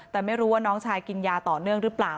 แต่ไม่รู้ว่าน้องชายกินยาต่อเนื่องหรือเปล่า